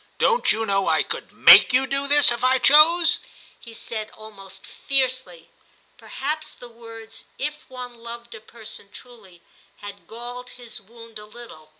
* Don't you know I could make you do this if I chose ?' he said almost fiercely ; perhaps the words * if one loved a person truly ' had galled his wound a little.